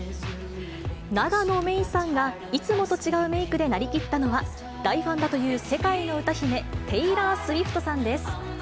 永野芽郁さんがいつもと違うメークでなりきったのは、大ファンだという世界の歌姫、テイラー・スウィフトさんです。